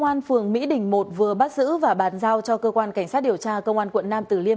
công an phường mỹ đình một vừa bắt giữ và bàn giao cho cơ quan cảnh sát điều tra công an quận nam tử liêm